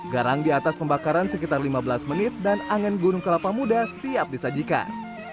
garang di atas pembakaran sekitar lima belas menit dan angin gunung kelapa muda siap disajikan